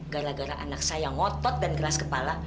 gara gara anak saya ngotot dan gelas kepala